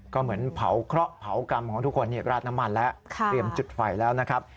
ก็เหมือนเผาเคราะหเผากรรมของทุกคนราดน้ำมันแล้วเตรียมจุดไฟแล้วนะครับ